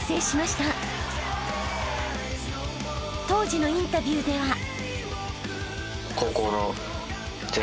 ［当時のインタビューでは］